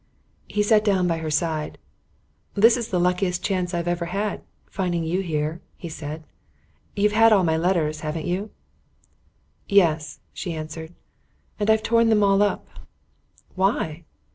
He sat down by her side. "This is the luckiest chance I've ever had finding you here," he said. "You've had all my letters, haven't you?" "Yes," she answered, "and I've torn them all up." "Why?"